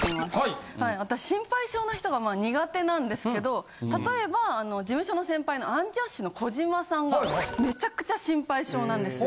なんですけど例えば事務所の先輩のアンジャッシュの児嶋さんがめちゃくちゃ心配性なんですよ。